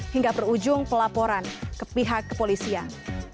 hingga berujung pelaporan ke pihak kepolisian